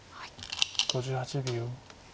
５８秒。